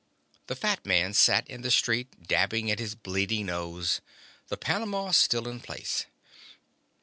The fat man sat in the street, dabbing at his bleeding nose, the panama still in place.